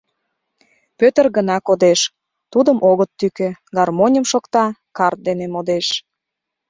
Пӧтыр гына кодеш, тудым огыт тӱкӧ, гармоньым шокта, карт дене модеш.